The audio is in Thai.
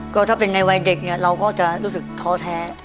ก็ถ้าเป็นในวัยเด็กเนี่ยเราก็จะรู้สึกท้อแท้